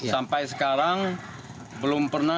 sampai sekarang belum pernah